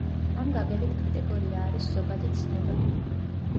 ამ გაგებით კატეგორია არის ზოგადი ცნება.